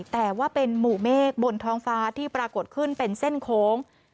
แต่ว่าเป็นหมู่เมฆบนท้องฟ้าที่ปรากฏขึ้นเป็นเส้นโค้ง